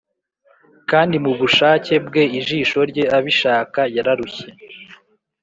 kandi mubushake bwe ijisho rye abishaka yararushye.